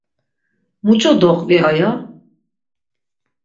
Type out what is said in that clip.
Muç̌o doqvi aya?